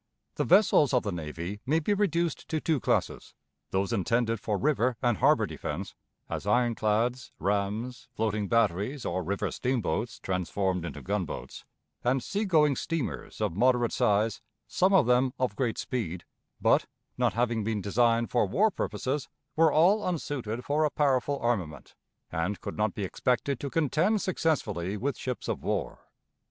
The vessels of the navy may be reduced to two classes: those intended for river and harbor defense, as ironclads, rams, floating batteries, or river steamboats transformed into gunboats; and sea going steamers of moderate size, some of them of great speed, but, not having been designed for war purposes, were all unsuited for a powerful armament, and could not be expected to contend successfully with ships of war.